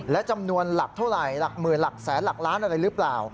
และจำนวนหลักเท่าไหร่หลักหมื่นหลักแสนหลักล้านอะไรหรือเปล่า